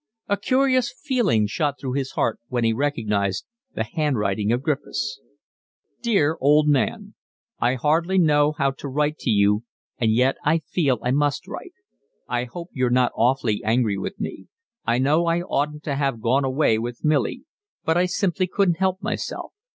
A curious feeling shot through his heart when he recognised the handwriting of Griffiths. Dear old man: I hardly know how to write to you and yet I feel I must write. I hope you're not awfully angry with me. I know I oughtn't to have gone away with Milly, but I simply couldn't help myself.